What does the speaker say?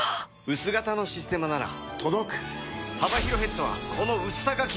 薄型の「システマ」なら届く「システマ」